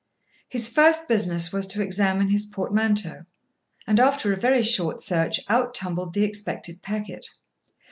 His first business was to examine his portmanteau, and, after a very short search, out tumbled the expected packet.